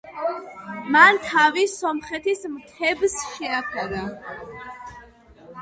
მან თავი სომხეთის მთებს შეაფარა.